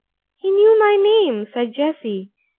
"He knew my name," said Jessie.